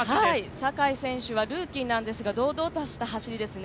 酒井選手はルーキーなんですが、堂々とした走りですね。